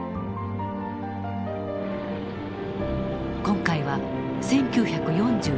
今回は１９４２年。